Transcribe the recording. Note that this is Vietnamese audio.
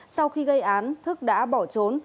sau khi gây án thức đã bỏ trốn